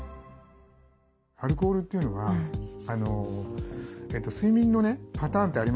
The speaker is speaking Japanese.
アルコールというのは睡眠のねパターンってありますよね。